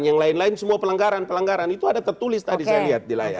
yang lain lain semua pelanggaran pelanggaran itu ada tertulis tadi saya lihat di layar